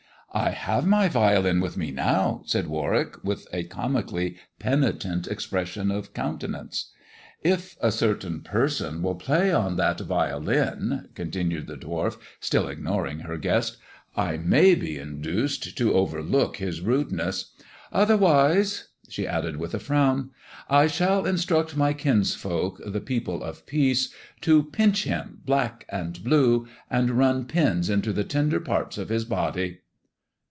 " I have my violin with me now," said Warwick, with a comically penitent expression of countenance. " K a certain person will play on that violin," continued the dwarf, still ignoring her guest, " I may be induced to overlook his rudeness. Otherwise," she added with a frown, " I shall instruct my kinsfolk, the people of peace, to pinch him black and blue, and run pins into the tender parts of his body."